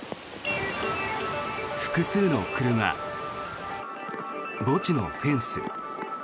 複数の車、墓地のフェンス。